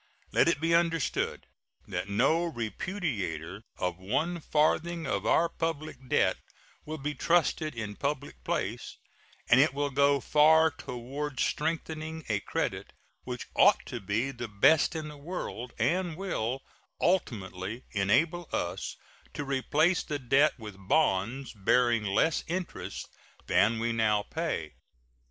Let it be understood that no repudiator of one farthing of our public debt will be trusted in public place, and it will go far toward strengthening a credit which ought to be the best in the world, and will ultimately enable us to replace the debt with bonds bearing less interest than we now pay.